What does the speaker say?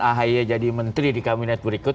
ahy jadi menteri di kabinet berikut